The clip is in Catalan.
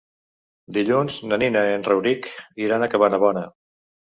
Dilluns na Nina i en Rauric iran a Cabanabona.